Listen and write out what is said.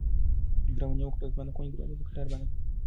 مهرباني وکړه او زما د خونې دروازه په کراره بنده کړه.